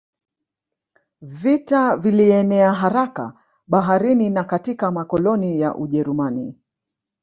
Vita ilienea haraka Baharini na katika makoloni ya Ujerumani